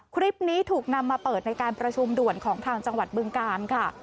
คลิปนี้ถูกนำมาเปิดในการประชุมด่วนของทางจังหวัดบึงการค่ะ